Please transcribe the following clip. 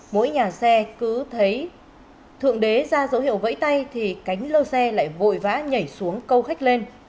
mỗi nhà xe cứ thấy thượng đế ra dấu hiệu vẫy tay thì cánh lô xe lại vội vã nhảy xuống câu khách lên